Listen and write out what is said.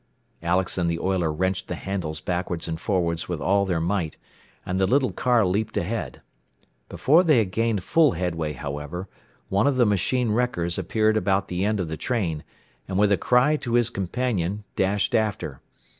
Alex and the oiler wrenched the handles backwards and forwards with all their might, and the little car leaped ahead. Before they had gained full headway, however, one of the machine wreckers appeared about the end of the train, and with a cry to his companion, dashed after.